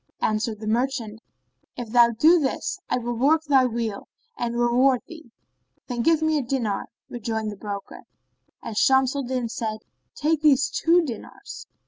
Answered the merchant, "If thou do this, I will work thy weal—and reward thee." "Then give me a dinar," rejoined the broker, and Shams al Din said, "Take these two dinars."